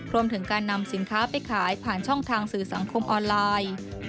รวมถึงการนำสินค้าไปขายผ่านช่องทางสื่อสังคมออนไลน์